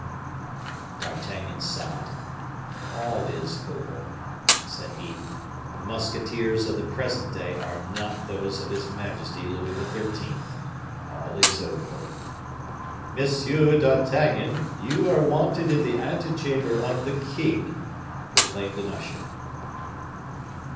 D'Artagnan sighed. "All is over!" said he; "the musketeers of the present day are not those of his majesty Louis XIII. All is over!" "Monsieur d'Artagnan, you are wanted in the ante chamber of the king," proclaimed an usher.